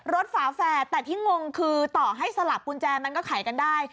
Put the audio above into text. ฝาแฝดแต่ที่งงคือต่อให้สลับกุญแจมันก็ไขกันได้